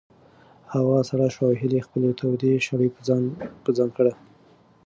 هوا سړه شوه او هیلې خپله توده شړۍ په ځان کړه.